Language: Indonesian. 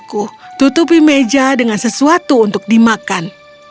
aku tutupi meja dengan sesuatu untuk dimakan